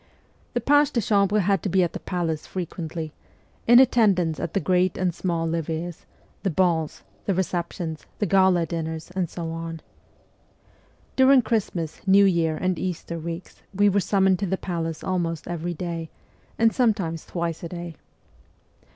The pages de chambre had to be at the palace frequently, in attendance at the great and small levees, the balls, the deceptions, the gala dinners, and so on. During Christmas, New Year, and Easter weeks we were summoned to the palace almost every day, and sometimes twice a day.